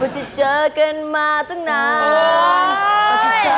จะเจอกันมาตั้งน้อย